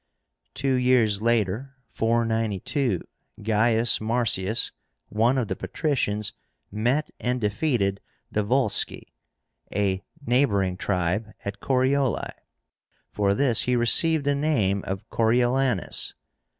Two years later (492) Gaius Marcius, one of the patricians, met and defeated the Volsci, a neighboring tribe, at CORIOLI. For this he received the name of CORIOLÁNUS.